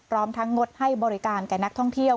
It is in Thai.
พร้อมทั้งงดให้บริการแก่นักท่องเที่ยว